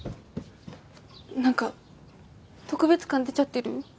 何か特別感出ちゃってる？